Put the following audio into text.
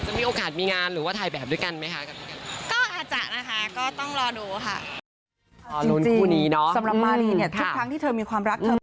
มีโอกาสมีงานหรือว่าถ่ายแบบด้วยกันไหมคะ